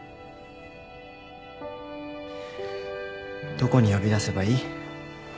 どこに呼び出せばいい？